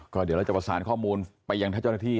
ก็เดี๋ยวเราจะประสานข้อมูลไปยังถ้าเจ้าหน้าที่